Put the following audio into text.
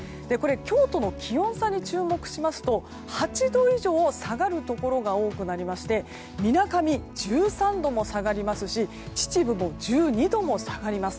今日との気温差に注目しますと８度以上下がるところが多くなりましてみなかみ、１３度も下がりますし秩父も１２度も下がります。